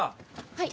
はい。